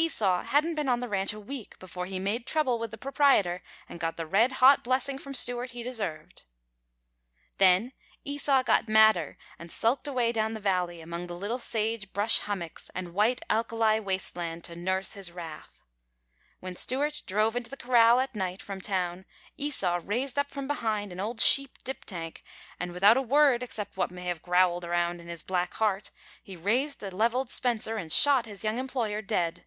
Esau hadn't been on the ranch a week before he made trouble with the proprietor and got the red hot blessing from Stewart he deserved. Then Esau got madder and sulked away down the valley among the little sage brush hummocks and white alkali waste land to nurse his wrath. When Stewart drove into the corral at night, from town, Esau raised up from behind an old sheep dip tank, and without a word except what may have growled around in his black heart, he raised a leveled Spencer and shot his young employer dead.